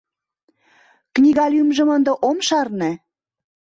Книга лӱмжым ынде ом шарне.